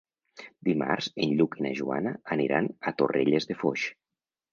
Dimarts en Lluc i na Joana aniran a Torrelles de Foix.